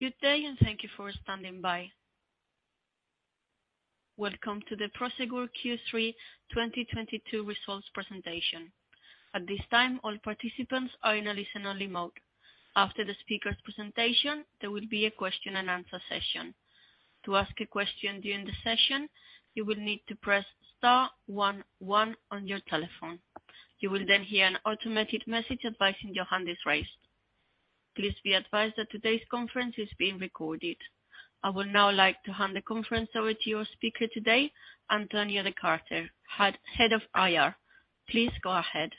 Good day, and thank you for standing by. Welcome to the Prosegur Q3 2022 results presentation. At this time, all participants are in a listen only mode. After the speaker presentation, there will be a question-and-answer session. To ask a question during the session, you will need to press star one one on your telephone. You will, then, hear an automated message advising your hand is raised. Please be advised that today's conference is being recorded. I would now like to hand the conference over to your speaker today, Antonio de Cárcer, Head of IR. Please go ahead.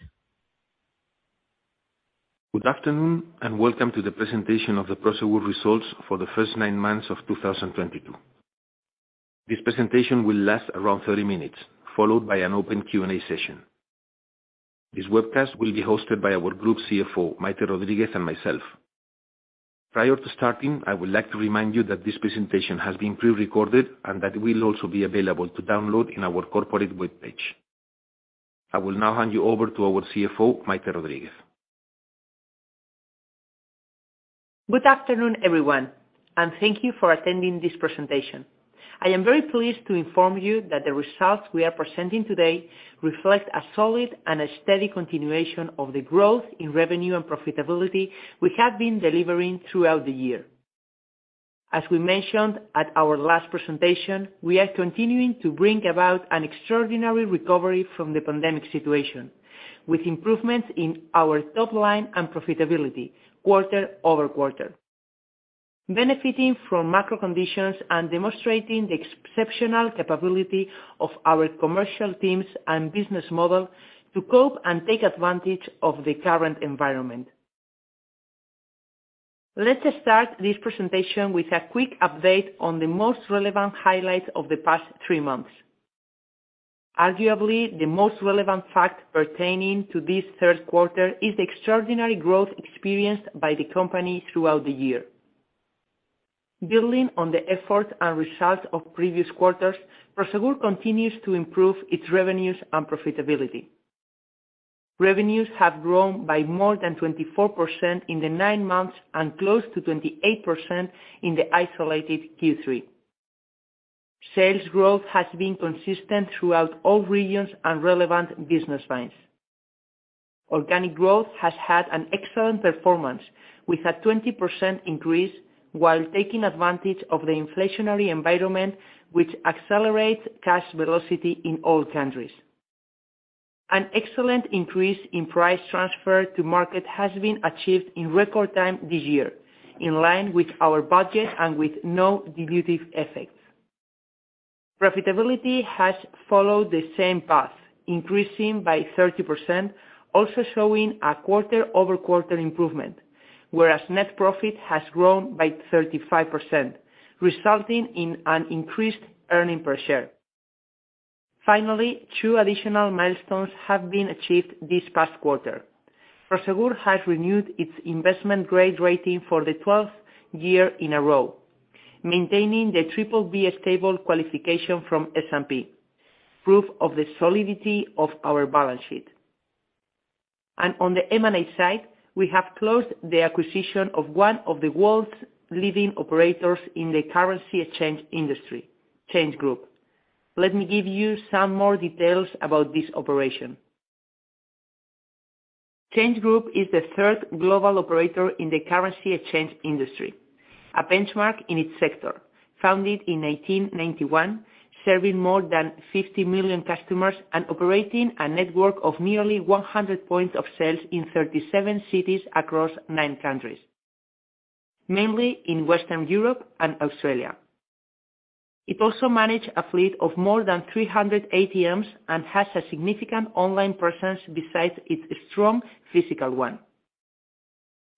Good afternoon, and welcome to the presentation of the Prosegur results for the first nine months of 2022. This presentation will last around 30 minutes, followed by an open Q&A session. This webcast will be hosted by our Group CFO, Maité Rodríguez, and myself. Prior to starting, I would like to remind you that this presentation has been pre-recorded, and that will also be available to download in our corporate webpage. I will now hand you over to our CFO, Maité Rodríguez. Good afternoon, everyone, and thank you for attending this presentation. I am very pleased to inform you that the results we are presenting today reflect a solid and a steady continuation of the growth in revenue and profitability we have been delivering throughout the year. As we mentioned at our last presentation, we are continuing to bring about an extraordinary recovery from the pandemic situation, with improvements in our top line and profitability quarter-over-quarter, benefiting from macro conditions and demonstrating the exceptional capability of our commercial teams and business model to cope and take advantage of the current environment. Let us start this presentation with a quick update on the most relevant highlights of the past three months. Arguably, the most relevant fact pertaining to this third quarter is the extraordinary growth experienced by the company throughout the year. Building on the effort and results of previous quarters, Prosegur continues to improve its revenues and profitability. Revenues have grown by more than 24% in the nine months and close to 28% in the isolated Q3. Sales growth has been consistent throughout all regions and relevant business lines. Organic growth has had an excellent performance, with a 20% increase while taking advantage of the inflationary environment, which accelerates cash velocity in all countries. An excellent increase in price transfer to market has been achieved in record time this year, in line with our budget and with no dilutive effects. Profitability has followed the same path, increasing by 30%, also showing a quarter-over-quarter improvement, whereas net profit has grown by 35%, resulting in an increased earnings per share. Finally, two additional milestones have been achieved this past quarter. Prosegur has renewed its investment grade rating for the 12th year in a row, maintaining the BBB stable qualification from S&P, proof of the solidity of our balance sheet. On the M&A side, we have closed the acquisition of one of the world's leading operators in the currency exchange industry, ChangeGroup. Let me give you some more details about this operation. ChangeGroup is the third global operator in the currency exchange industry, a benchmark in its sector, founded in 1991, serving more than 50 million customers and operating a network of nearly 100 points of sales in 37 cities across nine countries, mainly in Western Europe and Australia. It also manage a fleet of more than 300 ATMs and has a significant online presence besides its strong physical one.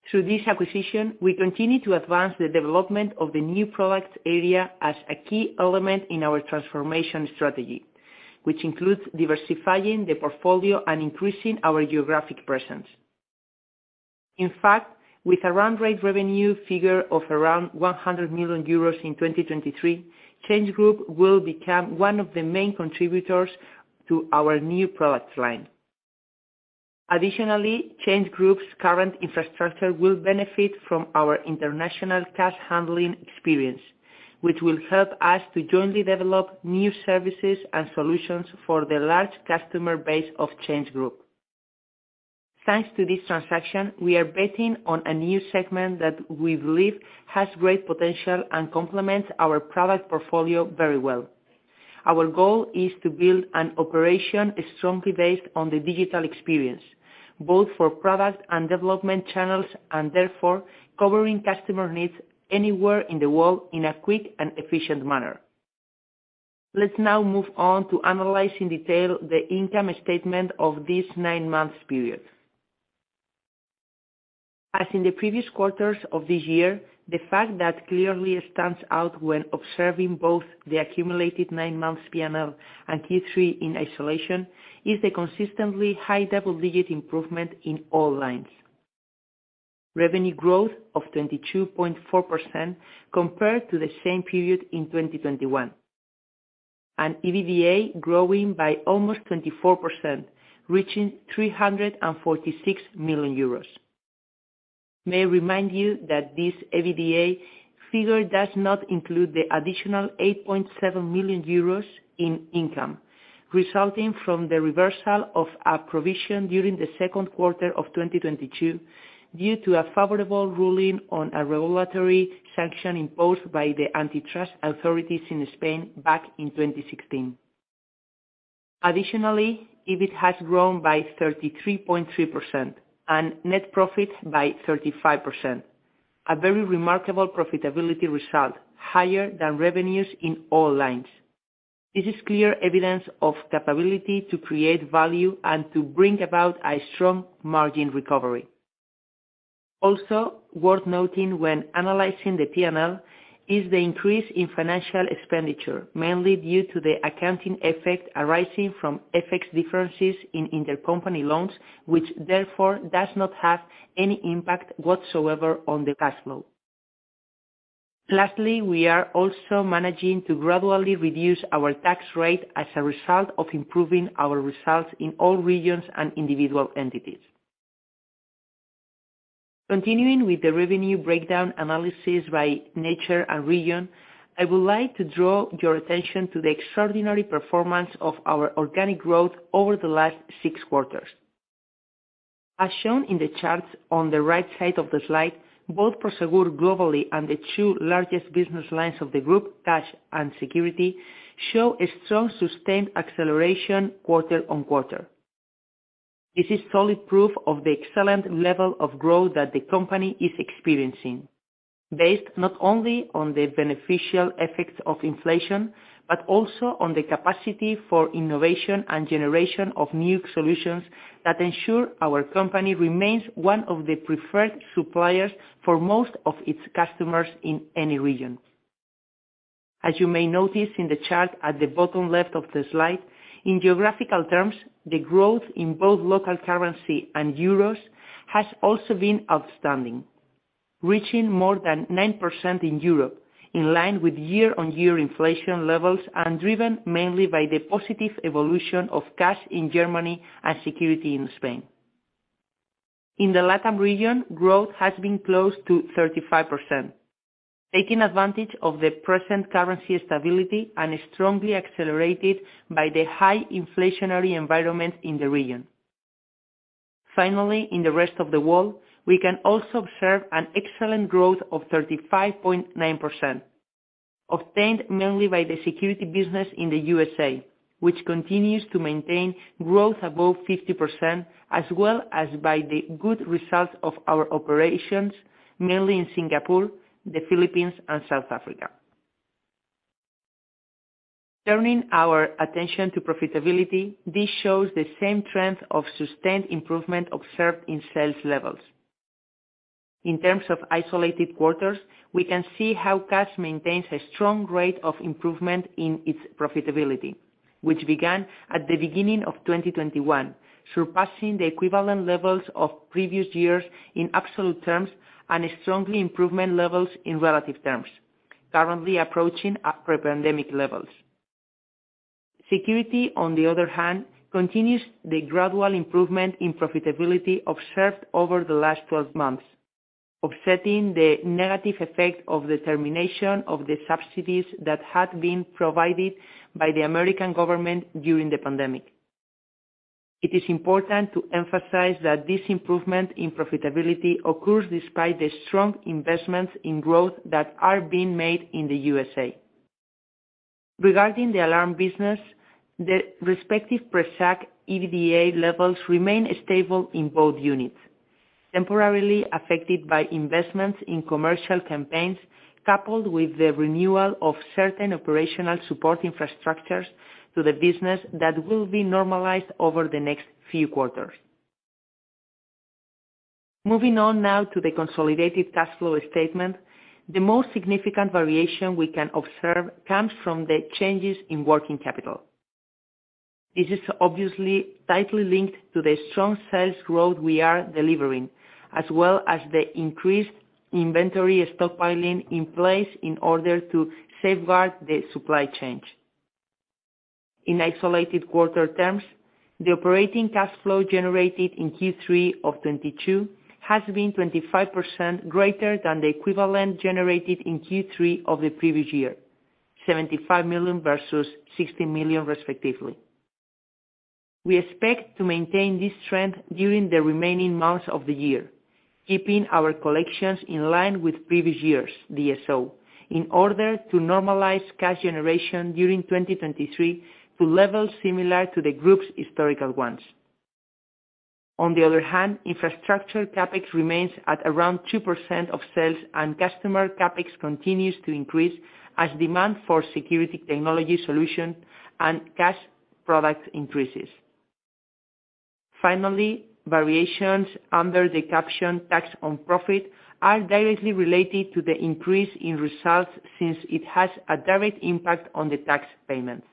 Through this acquisition, we continue to advance the development of the new product area as a key element in our transformation strategy, which includes diversifying the portfolio and increasing our geographic presence. In fact, with a run rate revenue figure of around 100 million euros in 2023, ChangeGroup will become one of the main contributors to our new product line. Additionally, ChangeGroup's current infrastructure will benefit from our international cash handling experience, which will help us to jointly develop new services and solutions for the large customer base of ChangeGroup. Thanks to this transaction, we are betting on a new segment that we believe has great potential and complements our product portfolio very well. Our goal is to build an operation strongly based on the digital experience, both for product and development channels, and therefore covering customer needs anywhere in the world in a quick and efficient manner. Let's now move on to analyze in detail the income statement of this nine-months period. As in the previous quarters of this year, the fact that clearly stands out when observing both the accumulated nine months P&L and Q3 in isolation is the consistently high double-digit improvement in all lines. Revenue growth of 22.4% compared to the same period in 2021. EBITDA growing by almost 24%, reaching 346 million euros. May I remind you that this EBITDA figure does not include the additional 8.7 million euros in income resulting from the reversal of a provision during the second quarter of 2022 due to a favorable ruling on a regulatory sanction imposed by the antitrust authorities in Spain back in 2016. Additionally, EBIT has grown by 33.3%, and net profit by 35%, a very remarkable profitability result, higher than revenues in all lines. This is clear evidence of capability to create value and to bring about a strong margin recovery. Also worth noting when analyzing the P&L is the increase in financial expenditure, mainly due to the accounting effect arising from FX differences in intercompany loans, which therefore does not have any impact whatsoever on the cash flow. Lastly, we are also managing to gradually reduce our tax rate as a result of improving our results in all regions and individual entities. Continuing with the revenue breakdown analysis by nature and region, I would like to draw your attention to the extraordinary performance of our organic growth over the last six quarters. As shown in the charts on the right side of the slide, both Prosegur globally and the two largest business lines of the group, cash and security, show a strong, sustained acceleration quarter-on-quarter. This is solid proof of the excellent level of growth that the company is experiencing, based not only on the beneficial effects of inflation, but also on the capacity for innovation and generation of new solutions that ensure our company remains one of the preferred suppliers for most of its customers in any region. As you may notice in the chart at the bottom left of the slide, in geographical terms, the growth in both local currency and euros has also been outstanding, reaching more than 9% in Europe, in line with year-on-year inflation levels and driven mainly by the positive evolution of cash in Germany and security in Spain. In the LatAm region, growth has been close to 35%, taking advantage of the present currency stability and strongly accelerated by the high inflationary environment in the region. Finally, in the rest of the world, we can also observe an excellent growth of 35.9%, obtained mainly by the security business in the U.S., which continues to maintain growth above 50%, as well as by the good results of our operations, mainly in Singapore, the Philippines, and South Africa. Turning our attention to profitability, this shows the same trend of sustained improvement observed in sales levels. In terms of isolated quarters, we can see how cash maintains a strong rate of improvement in its profitability, which began at the beginning of 2021, surpassing the equivalent levels of previous years in absolute terms and strong improvement levels in relative terms, currently approaching pre-pandemic levels. Security, on the other hand, continues the gradual improvement in profitability observed over the last 12 months, offsetting the negative effect of the termination of the subsidies that had been provided by the American government during the pandemic. It is important to emphasize that this improvement in profitability occurs despite the strong investments in growth that are being made in the USA. Regarding the alarm business, the respective Prosegur EBITDA levels remain stable in both units, temporarily affected by investments in commercial campaigns, coupled with the renewal of certain operational support infrastructures to the business that will be normalized over the next few quarters. Moving on now to the consolidated cash flow statement. The most significant variation we can observe comes from the changes in working capital. This is obviously tightly linked to the strong sales growth we are delivering, as well as the increased inventory stockpiling in place in order to safeguard the supply chain. In isolated quarter terms, the operating cash flow generated in Q3 of 2022 has been 25% greater than the equivalent generated in Q3 of the previous year, 75 million versus 60 million, respectively. We expect to maintain this trend during the remaining months of the year, keeping our collections in line with previous years, DSO, in order to normalize cash generation during 2023 to levels similar to the group's historical ones. On the other hand, infrastructure CapEx remains at around 2% of sales, and customer CapEx continues to increase as demand for security technology solution and cash product increases. Finally, variations under the caption tax on profit are directly related to the increase in results since it has a direct impact on the tax payments.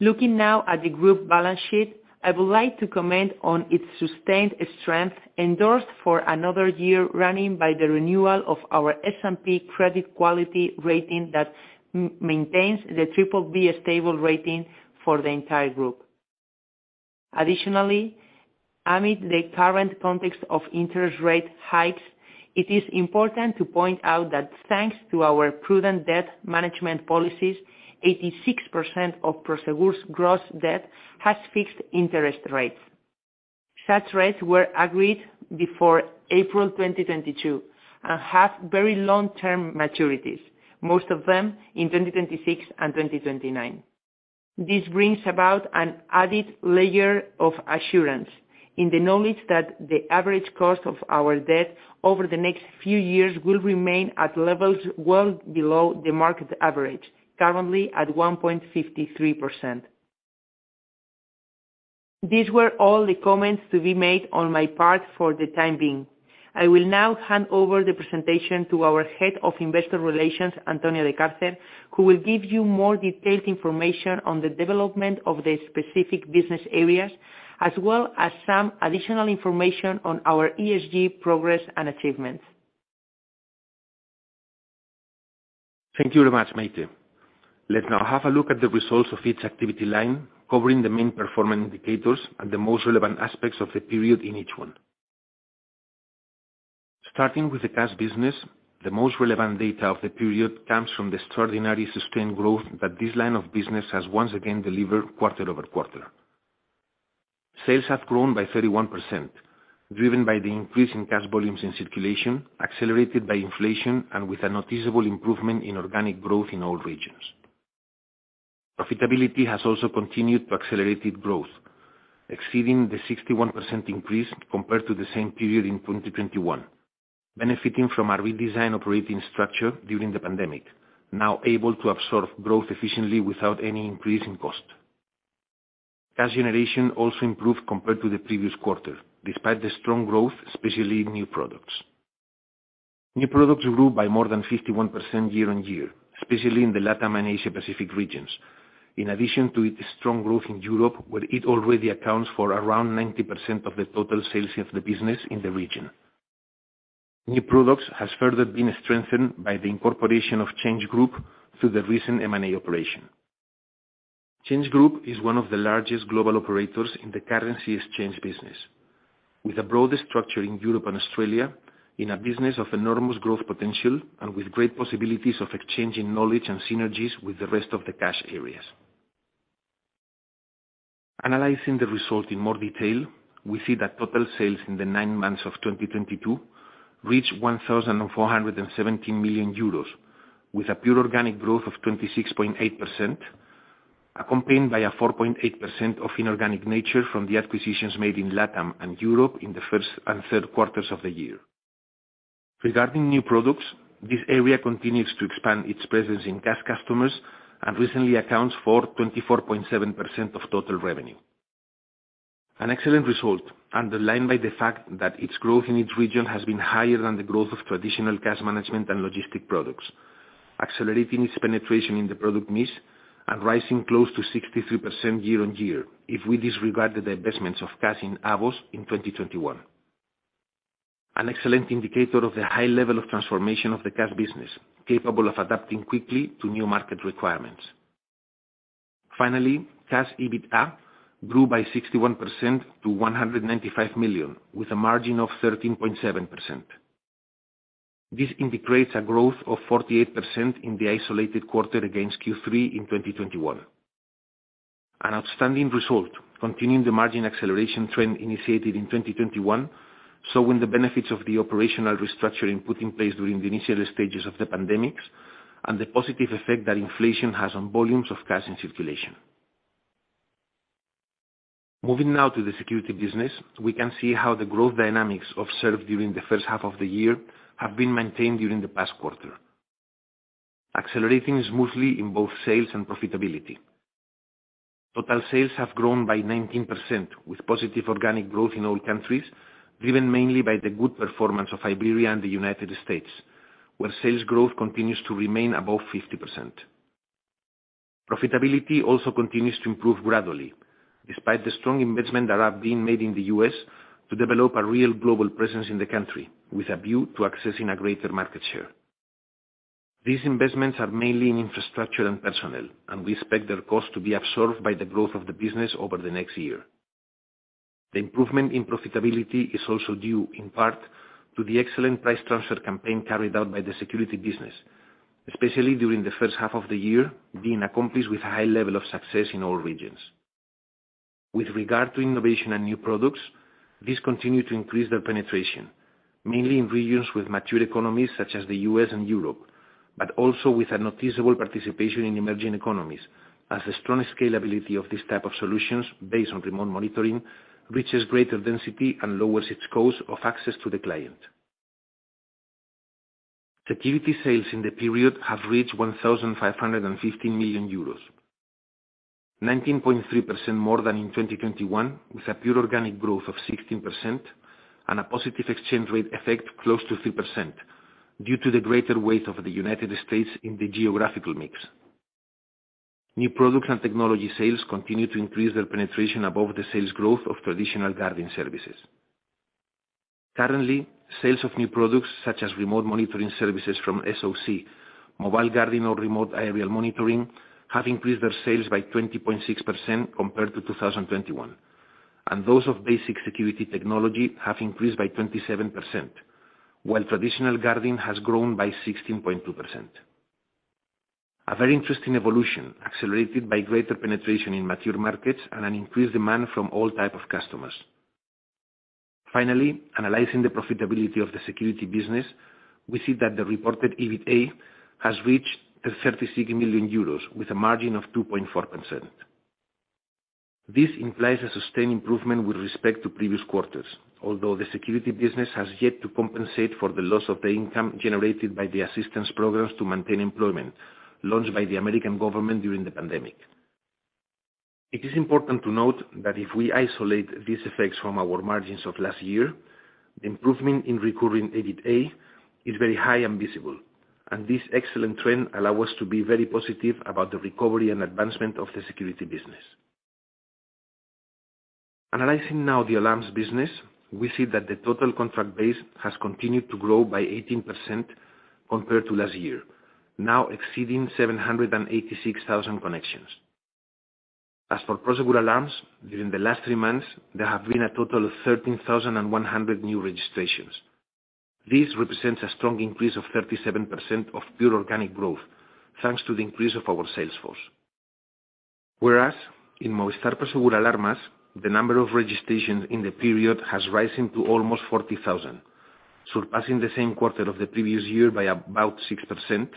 Looking now at the group balance sheet, I would like to comment on its sustained strength, endorsed for another year running by the renewal of our S&P credit quality rating that maintains the BBB stable rating for the entire group. Additionally, amid the current context of interest rate hikes, it is important to point out that, thanks to our prudent debt management policies, 86% of Prosegur's gross debt has fixed interest rates. Such rates were agreed before April 2022, and have very long-term maturities, most of them in 2026 and 2029. This brings about an added layer of assurance in the knowledge that the average cost of our debt over the next few years will remain at levels well below the market average, currently at 1.53%. These were all the comments to be made on my part for the time being. I will now hand over the presentation to our Head of Investor Relations, Antonio de Cárcer, who will give you more detailed information on the development of the specific business areas, as well as some additional information on our ESG progress and achievements. Thank you very much, Maite. Let's now have a look at the results of each activity line, covering the main performance indicators and the most relevant aspects of the period in each one. Starting with the cash business, the most relevant data of the period comes from the extraordinary sustained growth that this line of business has once again delivered quarter-over-quarter. Sales have grown by 31%, driven by the increase in cash volumes in circulation, accelerated by inflation, and with a noticeable improvement in organic growth in all regions. Profitability has also continued to accelerate its growth, exceeding the 61% increase compared to the same period in 2021, benefiting from our redesigned operating structure during the pandemic, now able to absorb growth efficiently without any increase in cost. Cash generation also improved compared to the previous quarter, despite the strong growth, especially in new products. New products grew by more than 51% year-on-year, especially in the LatAm and Asia Pacific regions, in addition to its strong growth in Europe, where it already accounts for around 90% of the total sales of the business in the region. New products has further been strengthened by the incorporation of ChangeGroup through the recent M&A operation. ChangeGroup is one of the largest global operators in the currency exchange business, with a broad structure in Europe and Australia in a business of enormous growth potential and with great possibilities of exchanging knowledge and synergies with the rest of the cash areas. Analyzing the result in more detail, we see that total sales in the nine months of 2022 reached 1,417 million euros, with a pure organic growth of 26.8%, accompanied by a 4.8% of inorganic nature from the acquisitions made in LatAm and Europe in the first and third quarters of the year. Regarding new products, this area continues to expand its presence in cash customers, and recently accounts for 24.7% of total revenue. An excellent result underlined by the fact that its growth in each region has been higher than the growth of traditional cash management and logistic products, accelerating its penetration in the product mix and rising close to 63% year-on-year if we disregard the divestments of cash in AVOS in 2021. An excellent indicator of the high level of transformation of the cash business, capable of adapting quickly to new market requirements. Finally, cash EBITDA grew by 61% to 195 million, with a margin of 13.7%. This integrates a growth of 48% in the isolated quarter against Q3 in 2021. An outstanding result, continuing the margin acceleration trend initiated in 2021, showing the benefits of the operational restructuring put in place during the initial stages of the pandemic, and the positive effect that inflation has on volumes of cash in circulation. Moving now to the security business, we can see how the growth dynamics observed during the first half of the year have been maintained during the past quarter, accelerating smoothly in both sales and profitability. Total sales have grown by 19%, with positive organic growth in all countries, driven mainly by the good performance of Iberia and the United States, where sales growth continues to remain above 50%. Profitability also continues to improve gradually, despite the strong investments that are being made in the U.S. to develop a real global presence in the country with a view to accessing a greater market share. These investments are mainly in infrastructure and personnel, and we expect their cost to be absorbed by the growth of the business over the next year. The improvement in profitability is also due in part to the excellent price transfer campaign carried out by the security business, especially during the first half of the year, being accomplished with high level of success in all regions. With regard to innovation and new products, these continue to increase their penetration, mainly in regions with mature economies such as the U.S. and Europe, but also with a noticeable participation in emerging economies, as the strong scalability of this type of solutions based on remote monitoring reaches greater density and lowers its cost of access to the client. Security sales in the period have reached 1,550 million euros, 19.3% more than in 2021, with a pure organic growth of 16%. A positive exchange rate effect close to 3% due to the greater weight of the United States in the geographical mix. New product and technology sales continue to increase their penetration above the sales growth of traditional guarding services. Currently, sales of new products, such as remote monitoring services from SOC, mobile guarding or remote aerial monitoring, have increased their sales by 20.6% compared to 2021. Those of basic security technology have increased by 27%, while traditional guarding has grown by 16.2%. A very interesting evolution accelerated by greater penetration in mature markets and an increased demand from all types of customers. Finally, analyzing the profitability of the security business, we see that the reported EBITA has reached 36 million euros, with a margin of 2.4%. This implies a sustained improvement with respect to previous quarters, although the security business has yet to compensate for the loss of the income generated by the assistance programs to maintain employment launched by the American government during the pandemic. It is important to note that if we isolate these effects from our margins of last year, the improvement in recurring EBITA is very high and visible, and this excellent trend allow us to be very positive about the recovery and advancement of the security business. Analyzing now the alarms business, we see that the total contract base has continued to grow by 18% compared to last year, now exceeding 786,000 connections. As for Prosegur Alarms, during the last three months, there have been a total of 13,100 new registrations. This represents a strong increase of 37% of pure organic growth, thanks to the increase of our sales force. Whereas in Movistar Prosegur Alarmas, the number of registrations in the period has risen to almost 40,000, surpassing the same quarter of the previous year by about 6%,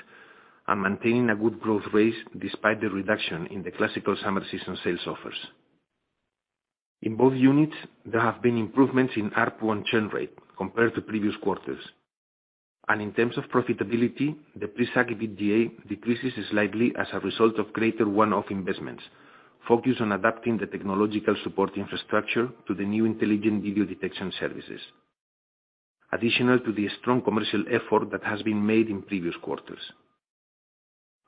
and maintaining a good growth rate despite the reduction in the classical summer season sales offers. In both units, there have been improvements in ARPU and churn rate compared to previous quarters. In terms of profitability, the pre-SAC EBITDA decreases slightly as a result of greater one-off investments focused on adapting the technological support infrastructure to the new intelligent video detection services. Additional to the strong commercial effort that has been made in previous quarters.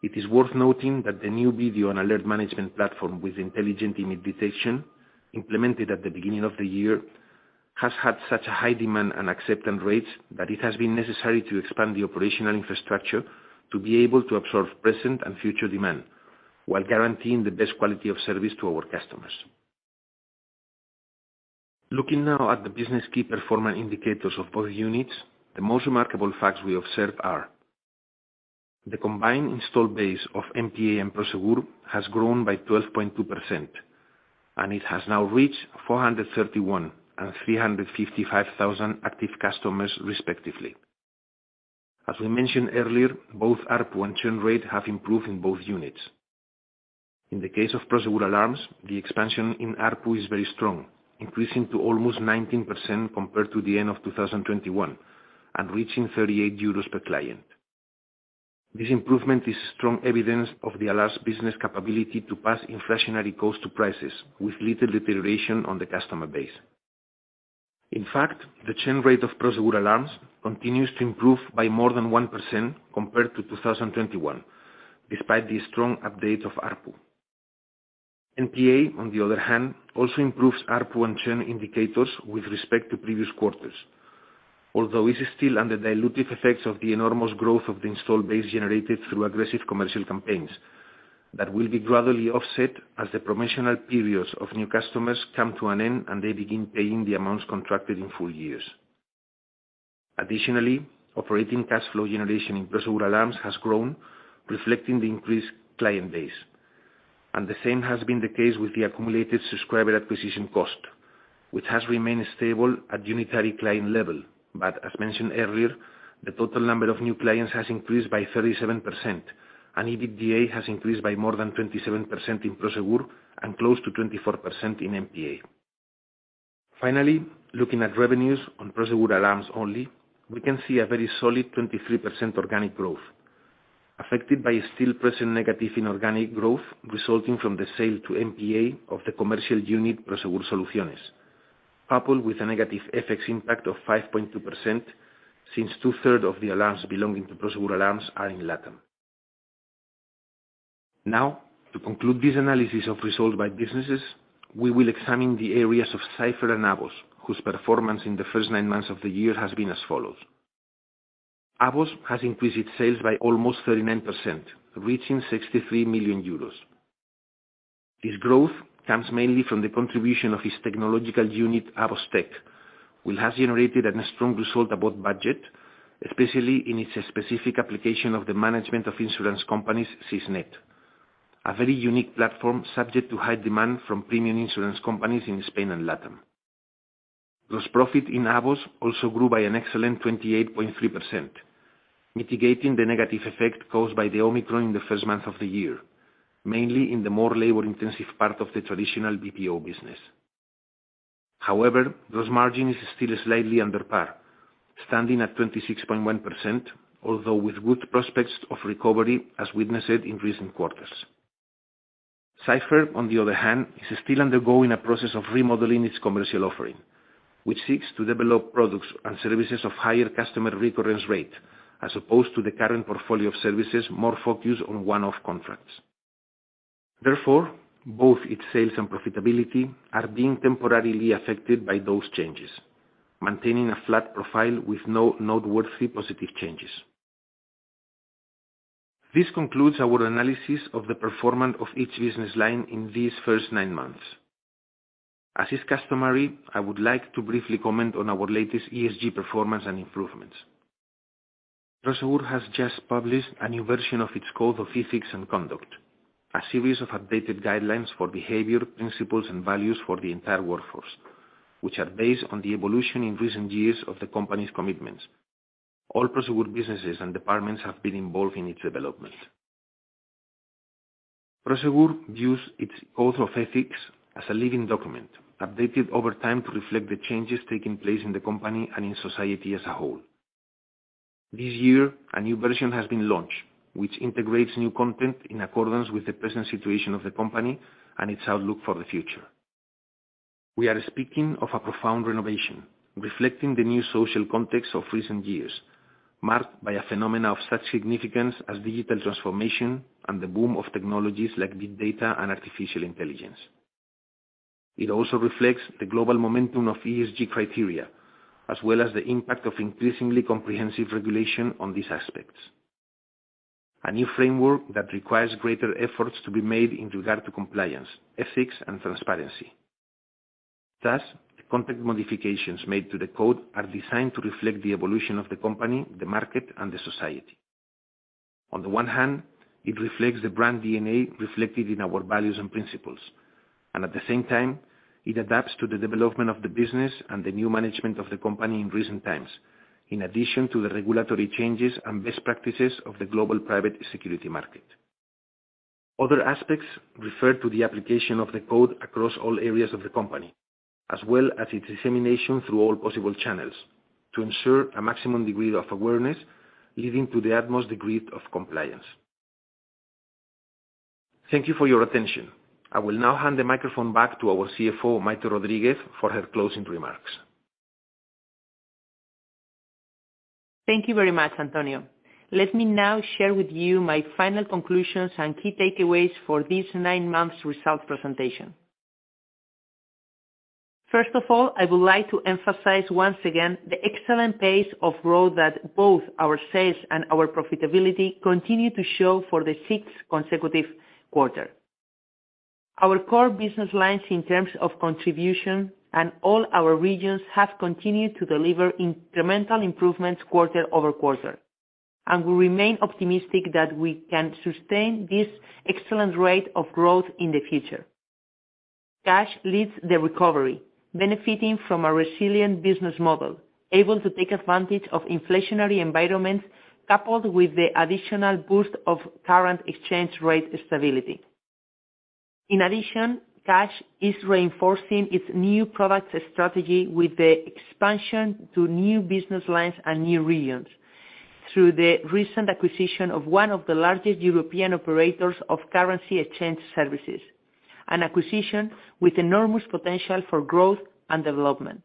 It is worth noting that the new video and alert management platform with intelligent image detection implemented at the beginning of the year has had such a high demand and acceptance rates that it has been necessary to expand the operational infrastructure to be able to absorb present and future demand while guaranteeing the best quality of service to our customers. Looking now at the business key performance indicators of both units, the most remarkable facts we observe are the combined install base of MPA and Prosegur has grown by 12.2%, and it has now reached 431,000 and 355,000 active customers, respectively. As we mentioned earlier, both ARPU and churn rate have improved in both units. In the case of Prosegur Alarms, the expansion in ARPU is very strong, increasing to almost 19% compared to the end of 2021 and reaching 38 euros per client. This improvement is strong evidence of the alarms business capability to pass inflationary costs to prices with little deterioration on the customer base. In fact, the churn rate of Prosegur Alarms continues to improve by more than 1% compared to 2021, despite the strong update of ARPU. MPA, on the other hand, also improves ARPU and churn indicators with respect to previous quarters. Although it is still under dilutive effects of the enormous growth of the installed base generated through aggressive commercial campaigns, that will be gradually offset as the promotional periods of new customers come to an end and they begin paying the amounts contracted in full years. Additionally, operating cash flow generation in Prosegur Alarms has grown, reflecting the increased client base. The same has been the case with the accumulated subscriber acquisition cost, which has remained stable at unitary client level. As mentioned earlier, the total number of new clients has increased by 37%, and EBITDA has increased by more than 27% in Prosegur and close to 24% in MPA. Finally, looking at revenues on Prosegur Alarms only, we can see a very solid 23% organic growth, affected by a still present negative inorganic growth resulting from the sale to MPA of the commercial unit, Prosegur Soluciones, coupled with a negative FX impact of 5.2%, since 2/3 of the alarms belonging to Prosegur Alarms are in Latin. Now, to conclude this analysis of results by businesses, we will examine the areas of Cipher and AVOS, whose performance in the first nine months of the year has been as follows. AVOS has increased its sales by almost 39%, reaching 63 million euros. This growth comes mainly from the contribution of its technological unit, AVOS Tech, which has generated a strong result above budget, especially in its specific application of the management of insurance companies, SISnet, a very unique platform subject to high demand from premium insurance companies in Spain and LatAm. Gross profit in AVOS also grew by an excellent 28.3%, mitigating the negative effect caused by the Omicron in the first month of the year, mainly in the more labor-intensive part of the traditional BPO business. However, gross margin is still slightly under par, standing at 26.1%, although with good prospects of recovery as witnessed in recent quarters. Cipher, on the other hand, is still undergoing a process of remodeling its commercial offering, which seeks to develop products and services of higher customer recurrence rate, as opposed to the current portfolio of services more focused on one-off contracts. Therefore, both its sales and profitability are being temporarily affected by those changes, maintaining a flat profile with no noteworthy positive changes. This concludes our analysis of the performance of each business line in these first nine months. As is customary, I would like to briefly comment on our latest ESG performance and improvements. Prosegur has just published a new version of its Code of Ethics and Conduct, a series of updated guidelines for behavior, principles, and values for the entire workforce, which are based on the evolution in recent years of the company's commitments. All Prosegur businesses and departments have been involved in its development. Prosegur views its Code of Ethics as a living document, updated over time to reflect the changes taking place in the company and in society as a whole. This year, a new version has been launched, which integrates new content in accordance with the present situation of the company and its outlook for the future. We are speaking of a profound renovation reflecting the new social context of recent years, marked by a phenomena of such significance as digital transformation and the boom of technologies like big data and artificial intelligence. It also reflects the global momentum of ESG criteria, as well as the impact of increasingly comprehensive regulation on these aspects. A new framework that requires greater efforts to be made in regard to compliance, ethics, and transparency. Thus, the content modifications made to the Code are designed to reflect the evolution of the company, the market, and the society. On the one hand, it reflects the brand DNA reflected in our values and principles, and at the same time, it adapts to the development of the business and the new management of the company in recent times, in addition to the regulatory changes and best practices of the global private security market. Other aspects refer to the application of the Code across all areas of the company, as well as its dissemination through all possible channels to ensure a maximum degree of awareness, leading to the utmost degree of compliance. Thank you for your attention. I will now hand the microphone back to our CFO, Maite Rodríguez, for her closing remarks. Thank you very much, Antonio. Let me now share with you my final conclusions and key takeaways for this nine months result presentation. First of all, I would like to emphasize once again the excellent pace of growth that both our sales and our profitability continue to show for the sixth consecutive quarter. Our core business lines in terms of contribution and all our regions have continued to deliver incremental improvements quarter over quarter, and we remain optimistic that we can sustain this excellent rate of growth in the future. Cash leads the recovery, benefiting from a resilient business model, able to take advantage of inflationary environments, coupled with the additional boost of current exchange rate stability. In addition, cash is reinforcing its new products strategy with the expansion to new business lines and new regions through the recent acquisition of one of the largest European operators of currency exchange services, an acquisition with enormous potential for growth and development.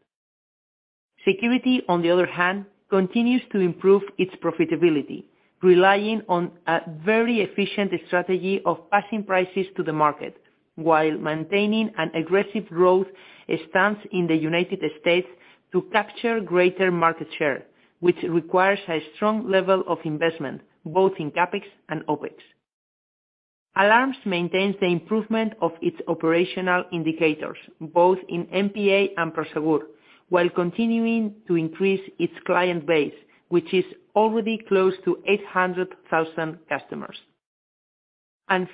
Security, on the other hand, continues to improve its profitability, relying on a very efficient strategy of passing prices to the market while maintaining an aggressive growth stance in the United States to capture greater market share, which requires a strong level of investment both in CapEx and OpEx. Alarms maintains the improvement of its operational indicators, both in MPA and Prosegur, while continuing to increase its client base, which is already close to 800,000 customers.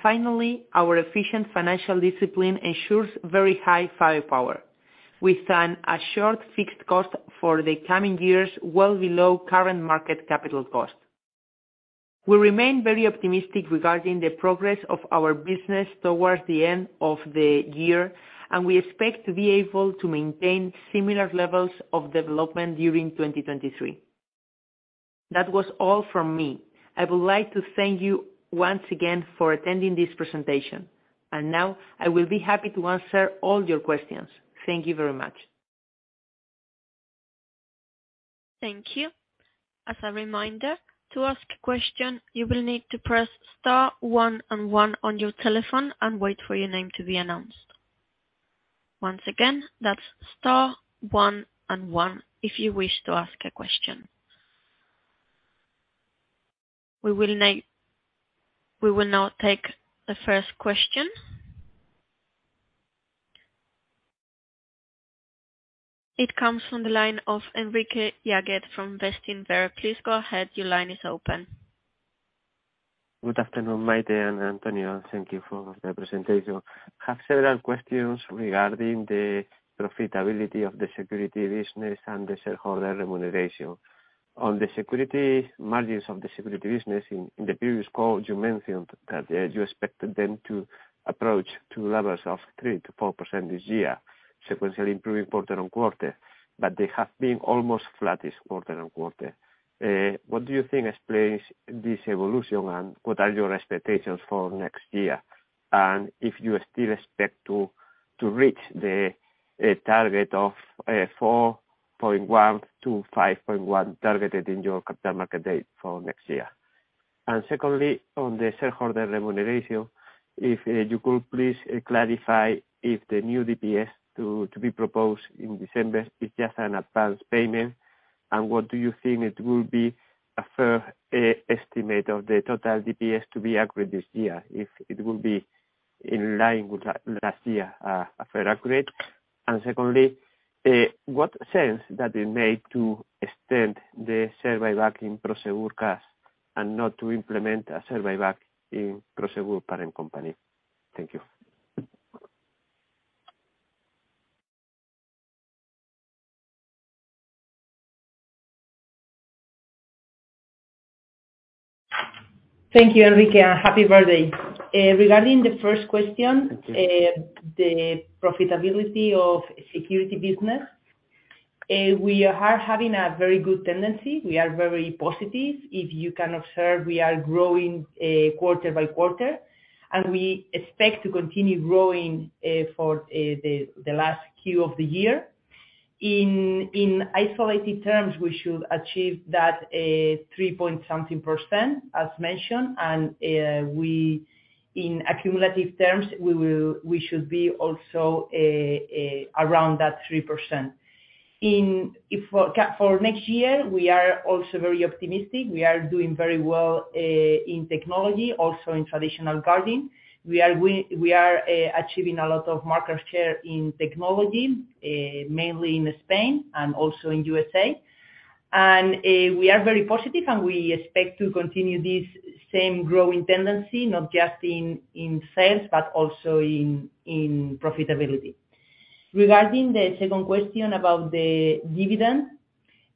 Finally, our efficient financial discipline ensures very high firepower, with an assured fixed cost for the coming years, well below current cost of capital. We remain very optimistic regarding the progress of our business towards the end of the year, and we expect to be able to maintain similar levels of development during 2023. That was all from me. I would like to thank you once again for attending this presentation. Now, I will be happy to answer all your questions. Thank you very much. Thank you. As a reminder, to ask a question, you will need to press star one and one on your telephone and wait for your name to be announced. Once again, that's star one and one, if you wish to ask a question. We will now take the first question. It comes from the line of Enrique Yáguez from Bestinver. Please go ahead. Your line is open. Good afternoon, Maite and Antonio. Thank you for the presentation. I have several questions regarding the profitability of the security business and the shareholder remuneration. On the security margins of the security business, in the previous call, you mentioned that you expected them to approach levels of 3%-4% this year, sequentially improving quarter-on-quarter, but they have been almost flat this quarter-on-quarter. What do you think explains this evolution, and what are your expectations for next year? If you still expect to reach the target of 4.1%-5.1% targeted in your Capital Markets Day for next year. Secondly, on the shareholder remuneration, if you could please clarify if the new DPS to be proposed in December is just an advance payment. What do you think it will be a fair estimate of the total DPS to be accurate this year, if it will be in line with last year, fair accurate. Secondly, what sense does it make to extend the share buyback in Prosegur Cash and not to implement a share buyback in Prosegur parent company? Thank you. Thank you, Enrique, and happy birthday. Regarding the first question, the profitability of security business, we are having a very good tendency. We are very positive. If you can observe, we are growing quarter by quarter, and we expect to continue growing for the last Q of the year. In isolated terms, we should achieve that 3 point something percent, as mentioned, and in accumulative terms, we should be also around that 3%. For next year, we are also very optimistic. We are doing very well in technology, also in traditional guarding. We are achieving a lot of market share in technology, mainly in Spain and also in U.S.A. We are very positive, and we expect to continue this same growing tendency, not just in sales, but also in profitability. Regarding the second question about the dividend,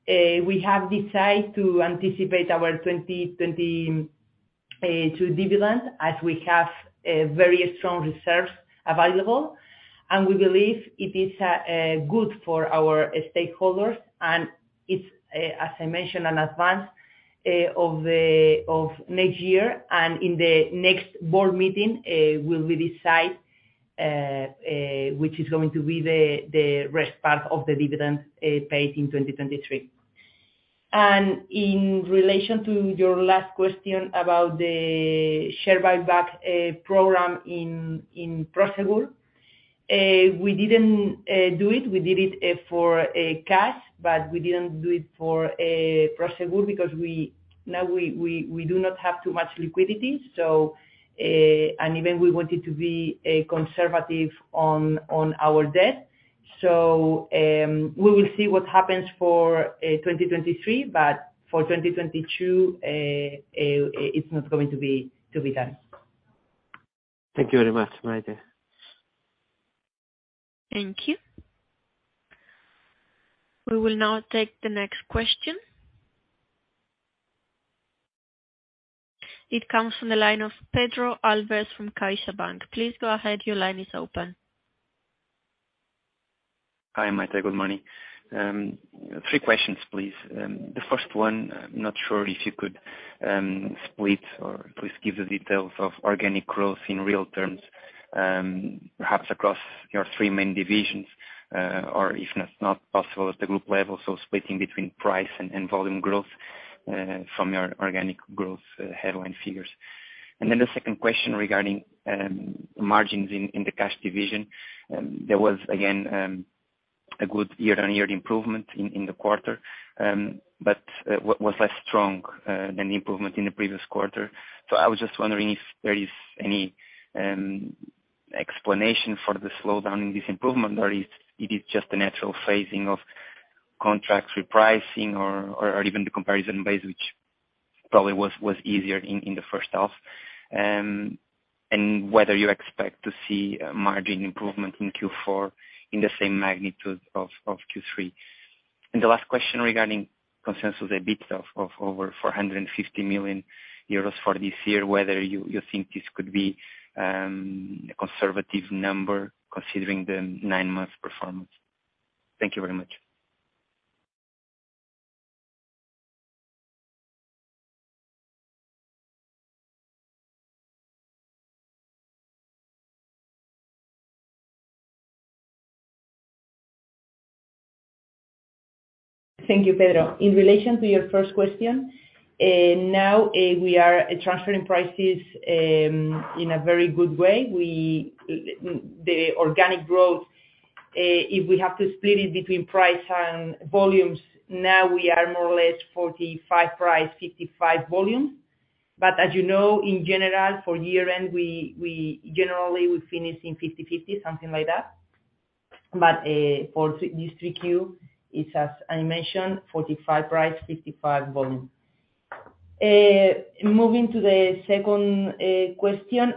we have decided to anticipate our 2022 dividend, as we have very strong reserves available. We believe it is good for our stakeholders, and it's, as I mentioned, an advance of next year. In the next board meeting, we will decide which is going to be the rest part of the dividend paid in 2023. In relation to your last question about the share buyback program in Prosegur, we didn't do it. We did it for cash, but we didn't do it for Prosegur because we now do not have too much liquidity. Even we wanted to be conservative on our debt. We will see what happens for 2023, but for 2022, it's not going to be done. Thank you very much, Maite. Thank you. We will now take the next question. It comes from the line of Pedro Alves from CaixaBank. Please go ahead. Your line is open. Hi, Maite. Good morning. Three questions, please. The first one, I'm not sure if you could split, or please give the details of organic growth in real terms, perhaps across your three main divisions, or if that's not possible at the group level, so splitting between price and volume growth from your organic growth headline figures. Then the second question regarding margins in the cash division. There was again a good year-on-year improvement in the quarter, but was less strong than the improvement in the previous quarter. I was just wondering if there is any explanation for the slowdown in this improvement, or if it is just a natural phasing of contract repricing or even the comparison base, which probably was easier in the first half, and whether you expect to see a margin improvement in Q4 in the same magnitude of Q3. The last question regarding consensus EBIT of over 450 million euros for this year, whether you think this could be a conservative number considering the nine-month performance. Thank you very much. Thank you, Pedro. In relation to your first question, now, we are transferring prices in a very good way. The organic growth, if we have to split it between price and volumes, now we are more or less 45% price, 55% volume. But as you know, in general, for year-end, we generally would finish in 50%-50%, something like that. But for this 3Q, it's as I mentioned, 45% price, 55% volume. Moving to the second question,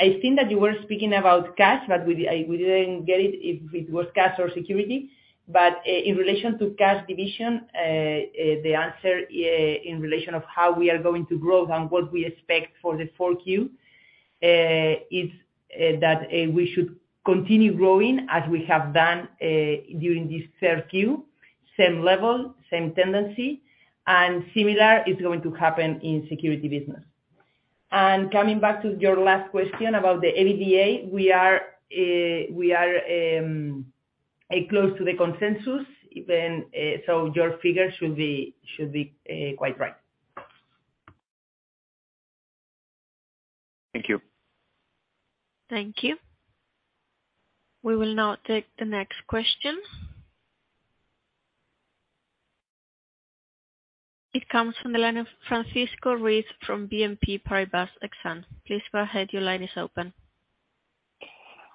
I think that you were speaking about cash, but we didn't get it if it was cash or security. In relation to cash division, the answer in relation to how we are going to grow and what we expect for the Q4 is that we should continue growing as we have done during this Q3. Same level, same tendency, and similar is going to happen in security business. Coming back to your last question about the EBITDA, we are close to the consensus even, so your figures should be quite right. Thank you. Thank you. We will now take the next question. It comes from the line of Francisco Ruiz from BNP Paribas Exane. Please go ahead. Your line is open.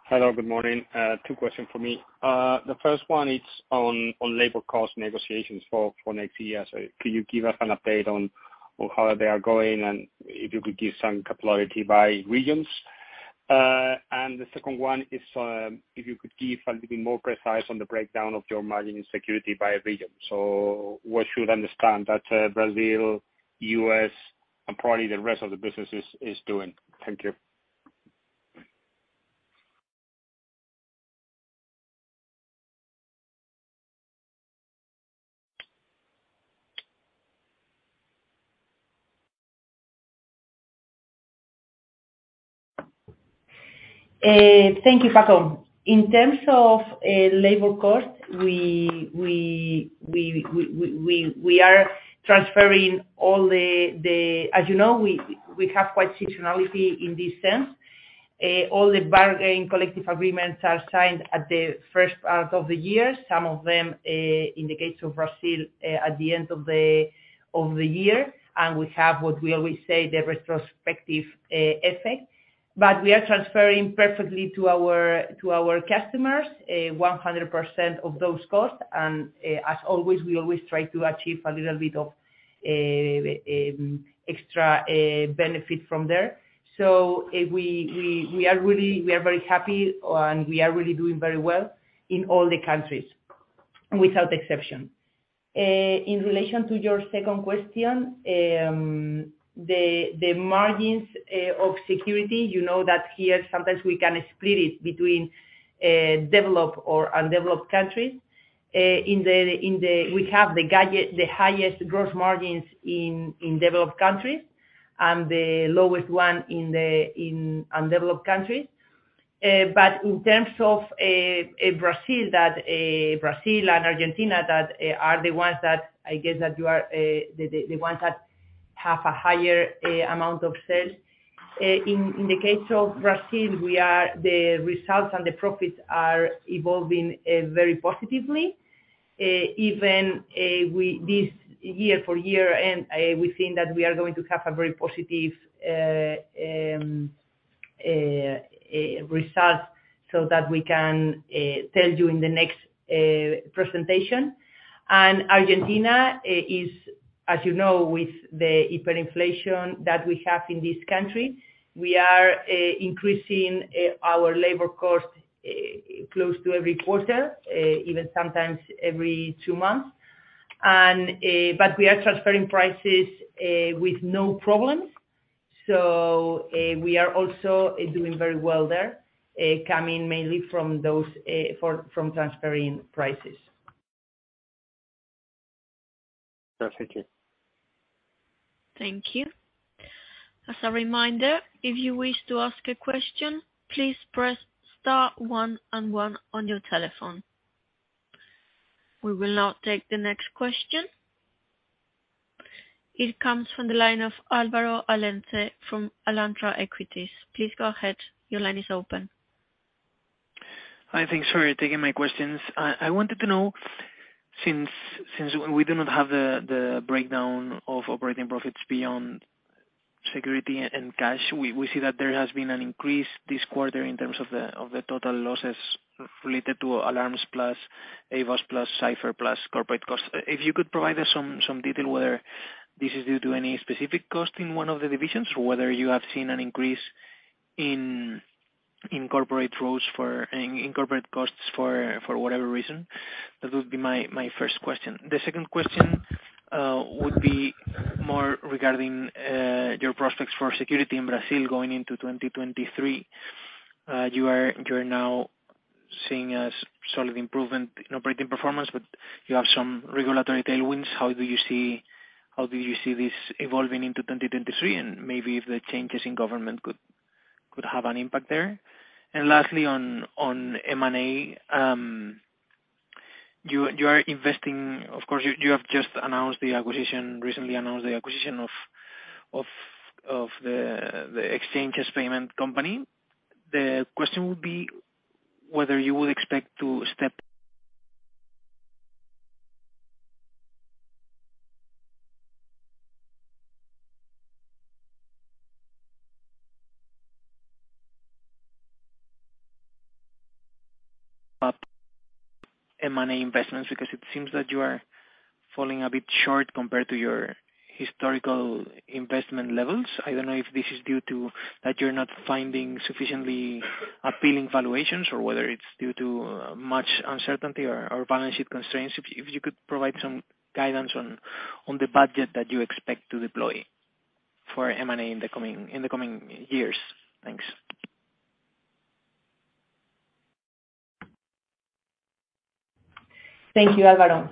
Hello, good morning. Two questions from me. The first one is on labor cost negotiations for next year. Can you give us an update on how they are going, and if you could give some color by regions? The second one is, if you could give a little bit more precise on the breakdown of your margin in security by region. What we should understand is that Brazil, U.S., and probably the rest of the business is doing? Thank you. Thank you, Paco. In terms of labor cost, we are transferring all the... As you know, we have quite seasonality in this sense. All the bargaining collective agreements are signed at the first part of the year. Some of them in the case of Brazil at the end of the year. We have what we always say, the retrospective effect. We are transferring perfectly to our customers 100% of those costs, and as always, we always try to achieve a little bit of extra benefit from there. We are really very happy and we are really doing very well in all the countries, without exception. In relation to your second question, the margins of security, you know that here sometimes we can split it between developed or undeveloped countries. We have the highest gross margins in developed countries, and the lowest one in undeveloped countries. But in terms of Brazil and Argentina that are the ones that, I guess that you are the ones that have a higher amount of sales. In the case of Brazil, the results and the profits are evolving very positively. Even this year over year, and we've seen that we are going to have a very positive result so that we can tell you in the next presentation. Argentina is, as you know, with the hyperinflation that we have in this country, we are increasing our labor cost close to every quarter, even sometimes every two months. But we are transferring prices with no problems. We are also doing very well there, coming mainly from those from transferring prices. Perfect. Thank you. As a reminder, if you wish to ask a question, please press star one and one on your telephone. We will now take the next question. It comes from the line of Álvaro Lence from Alantra Equities. Please go ahead. Your line is open. Hi. Thanks for taking my questions. I wanted to know since we do not have the breakdown of operating profits beyond security and cash, we see that there has been an increase this quarter in terms of the total losses related to alarms plus AVOS plus Cipher plus corporate costs. If you could provide us some detail whether this is due to any specific cost in one of the divisions, or whether you have seen an increase in corporate costs for whatever reason. That would be my first question. The second question would be more regarding your prospects for security in Brazil going into 2023. You are now seeing a solid improvement in operating performance, but you have some regulatory tailwinds. How do you see this evolving into 2023? Maybe if the changes in government could have an impact there? Lastly on M&A, you are investing, of course. You have recently announced the acquisition of the ChangeGroup. The question would be whether you would expect to step up M&A investments, because it seems that you are falling a bit short compared to your historical investment levels. I don't know if this is due to that you're not finding sufficiently appealing valuations or whether it's due to much uncertainty or balance sheet constraints. If you could provide some guidance on the budget that you expect to deploy for M&A in the coming years. Thanks. Thank you, Álvaro.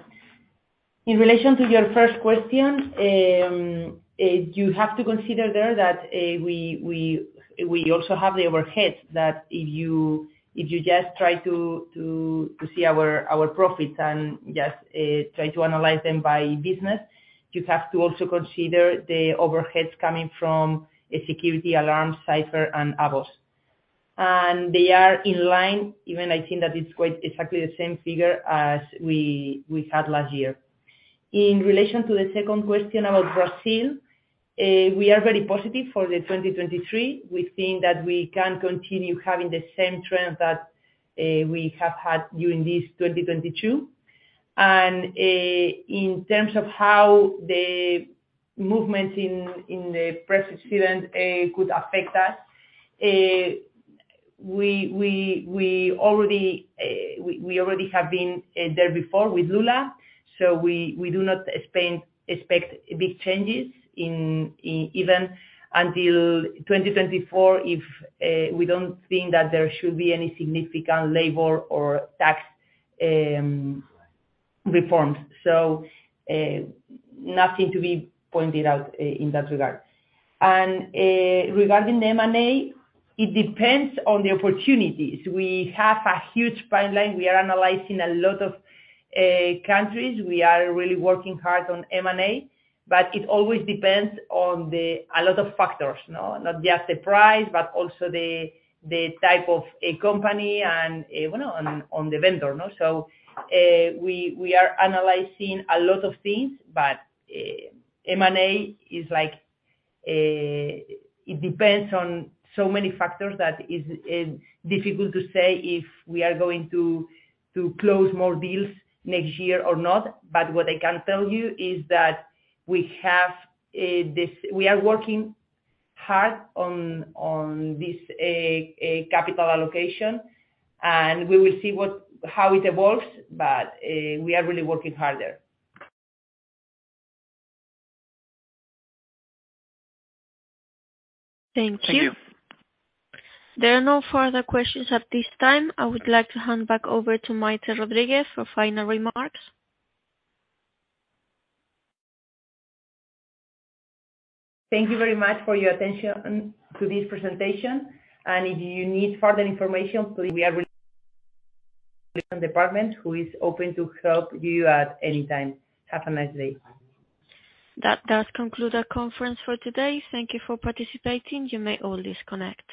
In relation to your first question, you have to consider there that we also have the overhead that if you just try to see our profits and just try to analyze them by business, you have to also consider the overheads coming from security, alarms, Cipher and AVOS. They are in line. Even I think that it's quite exactly the same figure as we had last year. In relation to the second question about Brazil, we are very positive for 2023. We think that we can continue having the same trend that we have had during this 2022. In terms of how the movement in the presidential could affect us, we already have been there before with Lula, so we do not expect big changes in even until 2024 if we don't think that there should be any significant labor or tax reforms. Nothing to be pointed out in that regard. Regarding M&A, it depends on the opportunities. We have a huge pipeline. We are analyzing a lot of countries. We are really working hard on M&A, but it always depends on a lot of factors, no? Not just the price, but also the type of a company and well, on the vendor, no? We are analyzing a lot of things, but M&A is like, it depends on so many factors that is difficult to say if we are going to close more deals next year or not. What I can tell you is that we are working hard on this capital allocation, and we will see how it evolves. We are really working harder. Thank you. Thank you. There are no further questions at this time. I would like to hand back over to Maite Rodríguez for final remarks. Thank you very much for your attention to this presentation, and if you need further information, please we are department, who is open to help you at any time, definkitely. That does conclude our conference for today. Thank you for participating. You may all disconnect.